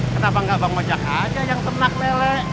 kenapa nggak bang majak aja yang ternak lele